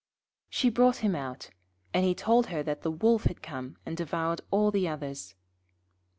She brought him out, and he told her that the Wolf had come and devoured all the others.